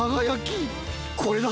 これだ！